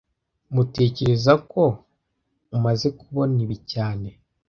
Tmutekereza ko umaze kubona ibi cyane